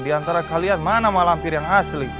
di antara kalian mana malampir yang asli